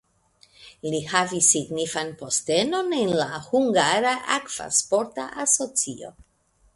Li havis signifan postenon en la hungara akvasporta asocio.